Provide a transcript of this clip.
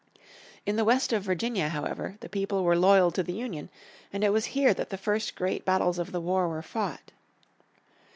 In the west of Virginia, however, the people were loyal to the Union and it was here that the first great battles of the war were fought.